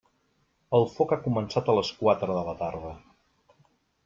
El foc ha començat a les quatre de la tarda.